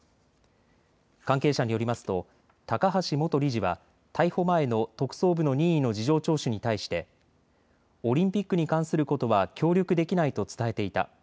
関係者によりますと高橋元理事は逮捕前の特捜部の任意の事情聴取に対してオリンピックに関することは協力できないと伝えていた。